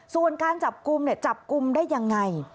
ส่วนการจับกลุ่มจับกลุ่มได้ยังไง